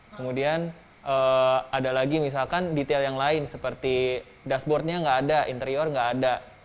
kemudian ada lagi misalkan detail yang lain seperti dashboardnya nggak ada interior nggak ada